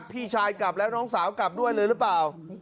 พี่ชายกลับแล้วน้องสาวกลับด้วยเลยหรือเปล่า